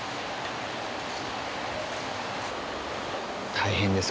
大変です。